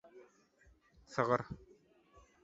Sygyr